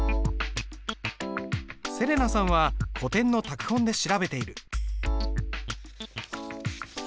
せれなさんは古典の拓本で調べている。